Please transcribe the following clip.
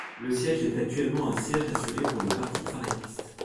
Le siège est actuellement un siège assuré pour le parti travailliste.